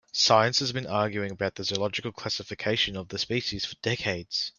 Science has been arguing about the zoological classification of the species for decades.